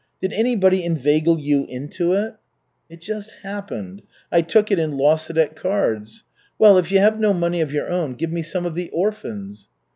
Did anybody inveigle you into it?" "It just happened. I took it and lost it at cards. Well, if you have no money of your own, give me some of the orphans'."